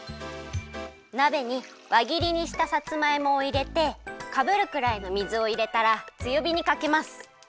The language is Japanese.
なべにわぎりにしたさつまいもをいれてかぶるくらいの水をいれたらつよびにかけます。